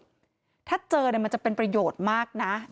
ถ้าเจอมันจะเป็นประโยชน์มากนะ